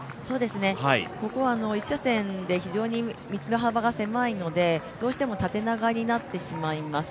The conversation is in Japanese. ここは１車線で非常に道の幅が狭いのでどうしても縦長になってしまいます。